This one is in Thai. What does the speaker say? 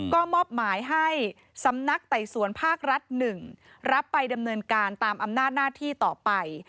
ก็มอบหมายให้สำนักไต่สวนภาครัฐ๑รับไปดำเนินการตามอำนาจหน้าที่ต่อไป